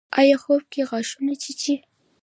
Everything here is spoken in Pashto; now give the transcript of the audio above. ایا خوب کې غاښونه چیچئ؟